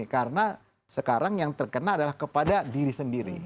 karena sekarang yang terkena adalah kepada diri sendiri